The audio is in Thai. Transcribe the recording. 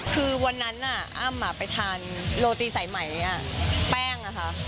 คือวันนั้นอ้ำไปทานโรตีสายไหมแป้งอะค่ะ